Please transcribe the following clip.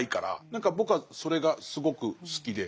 何か僕はそれがすごく好きで。